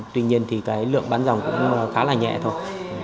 tuy nhiên lượng bán dòng cũng khá là nhẹ thôi